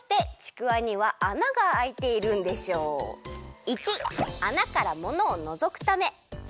①あなからものをのぞくため。